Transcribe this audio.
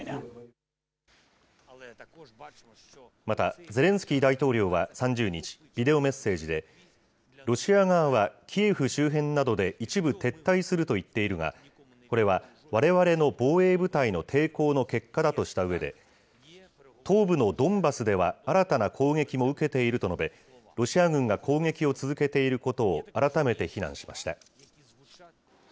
またゼレンスキー大統領は３０日、ビデオメッセージで、ロシア側はキエフ周辺などで一部撤退すると言っているが、これはわれわれの防衛部隊の抵抗の結果だとしたうえで、東部のドンバスでは新たな攻撃も受けていると述べ、ロシア軍が攻撃を続けていることを改めて非難しました。